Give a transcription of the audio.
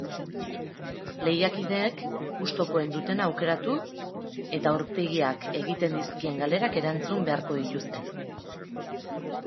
Lehiakideek gustukoen dutena aukeratu eta aurpegiak egiten dizkien galderak erantzun beharko dituzte.